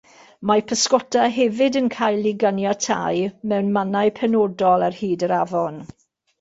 Mae pysgota hefyd yn cael ei ganiatáu mewn mannau penodol ar hyd yr afon.